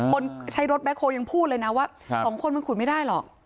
คนใช้รถแคลยังพูดเลยนะว่าสองคนมันขุดไม่ได้หรอก